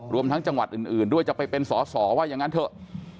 รวมทั้งจังหวัดอื่นด้วยจะไปเป็นสอสอว่าอย่างนั้นเถอะ